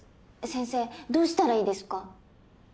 先生どうしたらいいですか？